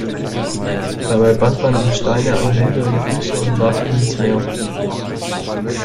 Dabei band man ihm Steine an Hände und Füße und warf ihn ins Meer.